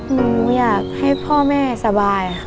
หนูอยากให้พ่อแม่สบายค่ะ